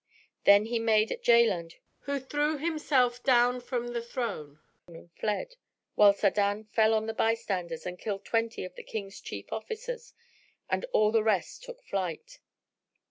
Then he made at Jaland who threw himself down from the throne and fled; whilst Sa'adan fell on the bystanders and killed twenty of the King's chief officers, and all the rest took to flight.